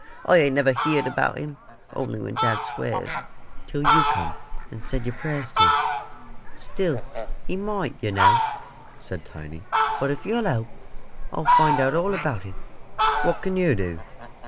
I ain't never heerd about Him, only when dad swears, till you come and said your prayers to Him." "Still, He might, yer know," said Tiny; "but if you'll help, I'll find out all about it." "What can yer do?"